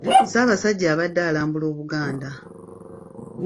Ssaabasajja abadde alambula Obuganda.